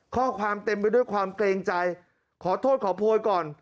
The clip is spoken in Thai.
ข้อความเต็มไปด้วยความเกรงใจขอโทษขอโพยก่อน